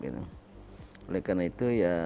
oleh karena itu